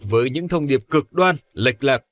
với những thông điệp cực đoan lịch lạc